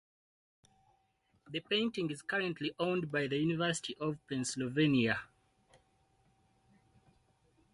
The painting is currently owned by the University of Pennsylvania.